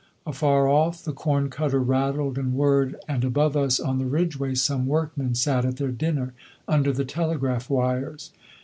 Afar off the corn cutter rattled and whirred, and above us on the ridgeway some workmen sat at their dinner under the telegraph wires.